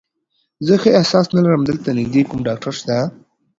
زه ښه احساس نه لرم، دلته نږدې کوم ډاکټر شته؟